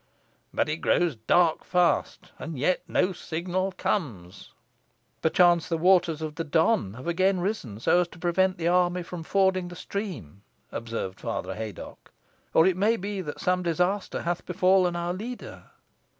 But it grows dark fast, and yet no signal comes." "Perchance the waters of the Don have again risen, so as to prevent the army from fording the stream," observed Father Haydocke; "or it may be that some disaster hath befallen our leader."